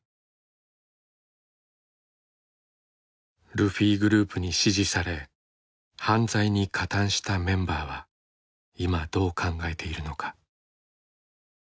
ルフィグループに指示され犯罪に加担したメンバーは今どう考えているのか。